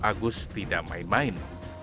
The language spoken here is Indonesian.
agus tidak main main